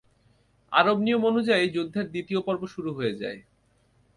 আরব নিয়ম অনুযায়ী যুদ্ধের দ্বিতীয় পর্ব শুরু হয়ে যায়।